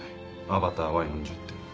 『アバター』は４０点。